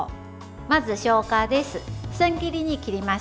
まず、しょうがです。